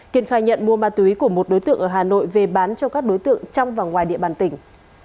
kiên khai nhận mua ma túy của một đối tượng ở hà nội về bán cho các đối tượng trong và ngoài địa bàn tỉnh